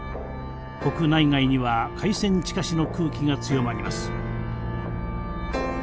国内外には開戦近しの空気が強まります。